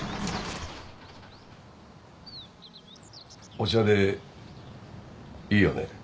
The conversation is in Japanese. お茶でいいよね。